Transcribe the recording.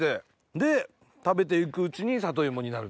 で食べて行くうちに里芋になる。